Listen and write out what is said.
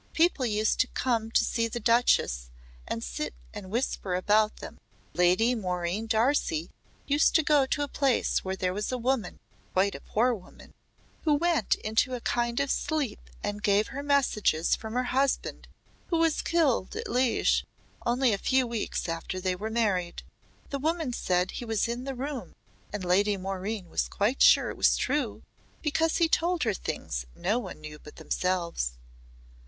People used to come to see the Duchess and sit and whisper about them. Lady Maureen Darcy used to go to a place where there was a woman quite a poor woman who went into a kind of sleep and gave her messages from her husband who was killed at Liège only a few weeks after they were married. The woman said he was in the room and Lady Maureen was quite sure it was true because he told her true things no one knew but themselves.